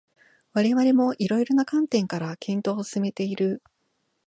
我々も色々な観点から検討を進めている